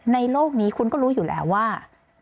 โลกนี้คุณก็รู้อยู่แล้วว่า